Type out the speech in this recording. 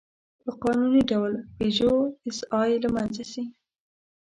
په قانوني ډول «پيژو ایسآی» له منځه ځي.